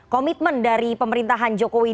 komitmen dari pemerintahan jokowi